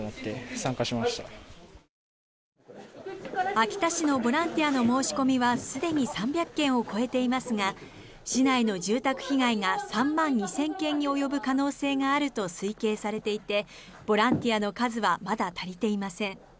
秋田市のボランティアの申し込みはすでに３００件を超えていますが市内の住宅被害が３万２０００軒に及ぶ可能性があると推計されていてボランティアの数はまだ足りていません。